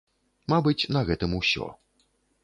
Мабыць, на гэтым усё.